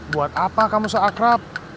buat apa kamu seakrab